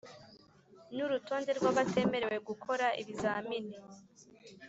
n’urutonde rw’abatemerewe gukora ibizamini